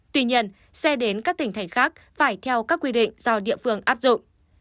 tuy nhiên xe đến các tỉnh thành khác phải theo các quy định do địa phương áp dụng